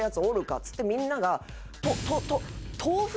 っつってみんなが。